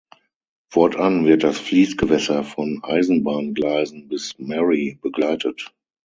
Fortan wird das Fließgewässer von Eisenbahngleisen bis Mary begleitet.